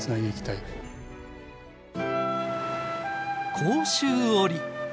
甲州織。